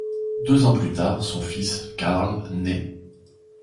Deux ans plus tard, son fils Karl naît.